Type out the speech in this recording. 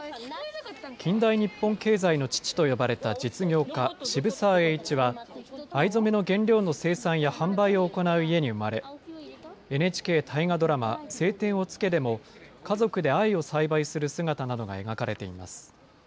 近代日本経済の父と呼ばれた実業家、渋沢栄一は、藍染めの原料の生産や販売を行う家に生まれ、ＮＨＫ大河ドラマ、青天を衝けでも、家族で藍を栽培する姿などが描かれています。